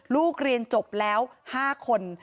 ลูกเรียนจบแล้ว๕คน